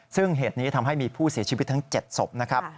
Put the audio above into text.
ซึ่งเหตุนี้ทำให้มีผู้เสียชีวิตทั้ง๗ศพนะครับ